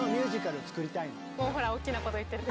もうほら大きなこと言ってる。